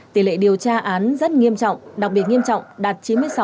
tỷ lệ điều tra án rất nghiêm trọng đặc biệt nghiêm trọng đạt chín mươi sáu hai mươi sáu